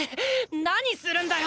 何するんだよ